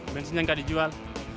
bensinnya gak dijual